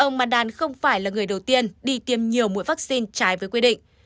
ông madan không phải là người đầu tiên đi tiêm nhiều mũi vaccine trái với quy định